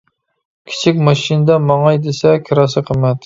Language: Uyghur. كىچىك ماشىنىدا ماڭاي دېسە، كىراسى قىممەت.